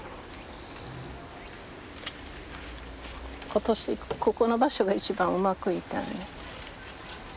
今年ここの場所が一番うまくいったね。